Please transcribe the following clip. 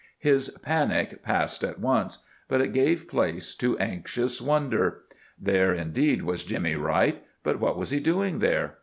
His panic passed at once, but it gave place to anxious wonder. There, indeed, was Jimmy Wright, but what was he doing there?